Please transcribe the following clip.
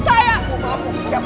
saya nggak akan lupa wajah kamu